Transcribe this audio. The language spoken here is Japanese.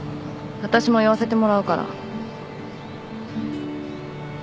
わたしも言わせてもらうから。